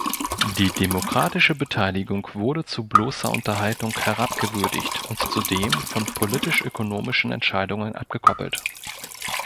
Die demokratische Beteiligung wurde zu bloßer Unterhaltung herabgewürdigt und zudem von politisch-ökonomischen Entscheidungen abgekoppelt.